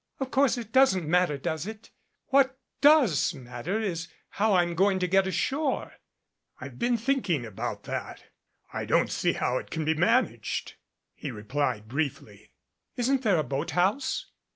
"Of course it doesn't matter, does it? What does matter is how I'm going to get ashore." "I've been thinking about that. I don't see how it can be managed," he replied briefly. "Isn't there a boat house?"